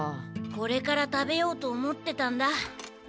これから食べようと思ってたんだ。